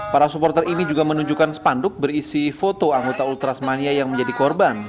para supporter ini juga menunjukkan spanduk berisi foto anggota ultrasmania yang menjadi korban